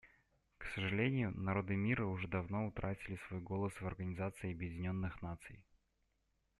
К сожалению, народы мира уже давно утратили свой голос в Организации Объединенных Наций.